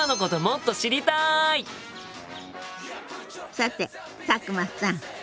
さて佐久間さん